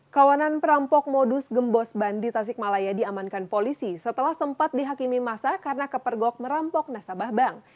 kawanan perampok modus gembos bandi tasikmalaya diamankan polisi setelah sempat dihakimi masa karena kepergok merampok nasabah bank